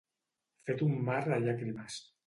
Fet un mar de llàgrimes.